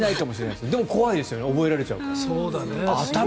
でも、怖いですね覚えられちゃうと。